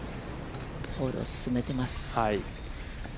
ホールを進めてます。